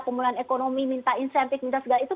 pemulihan ekonomi minta insentif minta segala itu